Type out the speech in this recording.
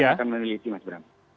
yang akan meneliti mas bram